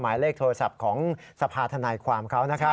หมายเลขโทรศัพท์ของสภาธนายความเขานะครับ